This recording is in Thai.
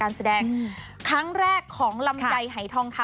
ภาพยนตร์เรื่องนี้นะคะคาดว่าจะใช้ระยะเวลาในการถ่ายธรรมประมาณ๒เดือนเสร็จนะคะ